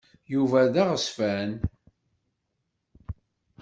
Yuba d aɣezfan.